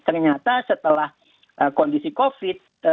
ternyata setelah kondisi covid